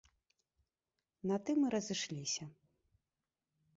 На тым і разышліся.